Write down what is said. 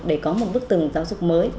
để có một bức tường giáo dục mới